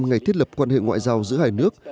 ngày thiết lập quan hệ ngoại giao giữa hai nước